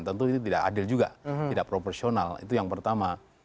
tentu itu tidak adil juga tidak proporsional itu yang pertama